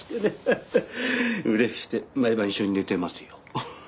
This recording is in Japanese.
うれしくて毎晩一緒に寝てますよ。